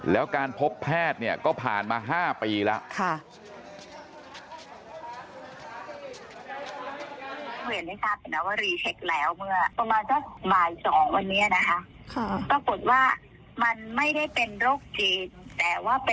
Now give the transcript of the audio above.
และการพบแพทย์ก็ผ่านมาห้าปีแล้ว